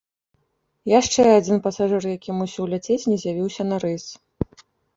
Яшчэ адзін пасажыр, які мусіў ляцець, не з'явіўся на рэйс.